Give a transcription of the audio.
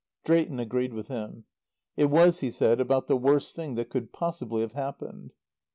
Drayton agreed with him. It was, he said, about the worst thing that could possibly have happened.